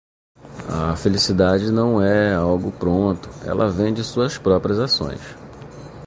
A felicidade não é algo pronto. Ela vem de suas próprias ações.